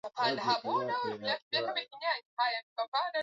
ni kuchapishwa kwa kitabu cha Fasihi Uandishi